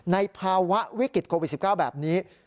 ในภาวะวิกฤตโควิด๑๙แบบนี้